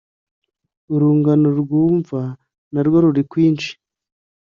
Urungano mwumva na rwo ruri kwinshi